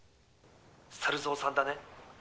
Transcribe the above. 猿蔵さんだね。